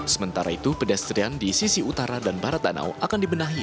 sementara itu pedestrian di sisi utara dan barat danau akan dibenahi